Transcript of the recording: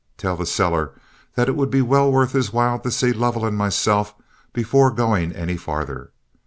Tell the seller that it would be well worth his while to see Lovell and myself before going any farther.